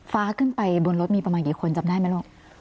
ฟ้าขึ้นไปบนรถมีประมาณกี่คนจำได้ไหมลูก